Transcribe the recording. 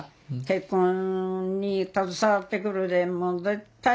結婚に携わって来るで。